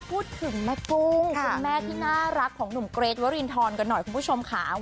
พูดถึงแม่กุ้งคุณแม่ที่น่ารักของหนุ่มเกรทวรินทรกันหน่อยคุณผู้ชมค่ะ